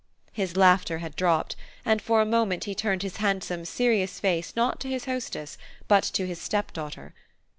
His laughter had dropped, and for a moment he turned his handsome serious face not to his hostess, but to his stepdaughter.